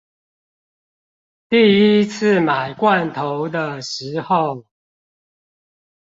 第一次買罐頭的時候